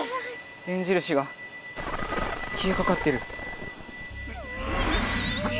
電印がきえかかってる。